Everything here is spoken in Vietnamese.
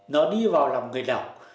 nó đi vào lòng người đọc